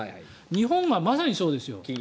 日本がまさにそうですよ。